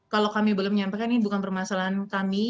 kalau kami belum menyampaikan ini bukan permasalahan kami